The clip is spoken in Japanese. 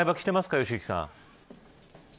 良幸さん。